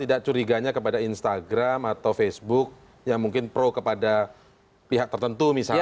tidak curiganya kepada instagram atau facebook yang mungkin pro kepada pihak tertentu misalnya